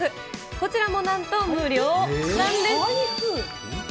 こちらもなんと無料なんです。